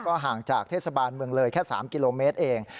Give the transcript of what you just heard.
ห่างจากเทศบาลเมืองเลยแค่๓กิโลเมตรเอง